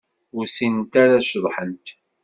Ur ssinent ara ad ceḍḥent.